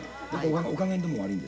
お加減でも悪いんですか？